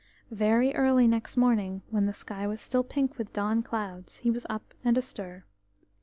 Very early next morning, when the sky was still pink with dawn clouds, he was up and astir.